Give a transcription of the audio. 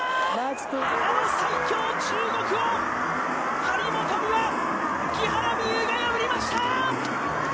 あの最強・中国を張本美和、木原美悠が破りました！